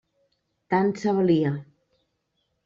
Tant se valia.